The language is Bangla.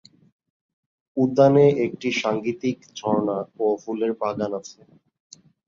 উদ্যানে একটি সাঙ্গীতিক ঝরনা ও ফুলের বাগান আছে।